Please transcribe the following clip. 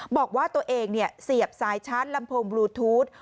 บอกว่าตัวเองเสียบสายชาร์จลำโพงบลูทูธ